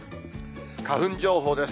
花粉情報です。